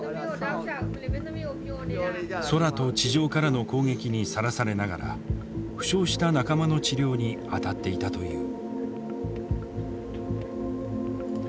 空と地上からの攻撃にさらされながら負傷した仲間の治療に当たっていたという。